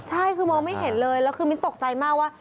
ใช่คือมองไม่เห็นเลยแล้วคือมิ้นตกใจมากว่า